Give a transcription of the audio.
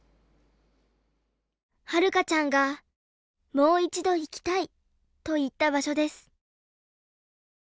はるかちゃんが「もう一度行きたい」と言った場所です。